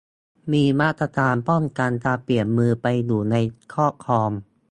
มีมาตรการป้องกันการเปลี่ยนมือไปอยู่ในครอบครอง